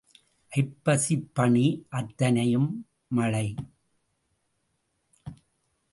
ஐம்பசிப் பணி அத்தனையும் மழை.